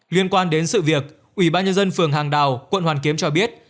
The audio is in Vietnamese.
liên quan đến sự việc ủy ban nhân dân phường hàng đào quận hoàn kiếm cho biết